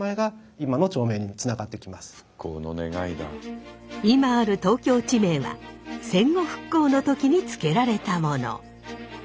今ある東京地名は戦後復興の時に付けられたもの。